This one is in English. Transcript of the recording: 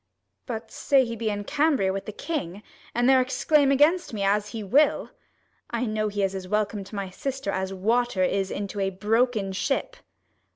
But say he be in Cambria with the king, 35 And there exclaim against me, as he will : I know he is as welcome to my sister, As water is into a broken ship.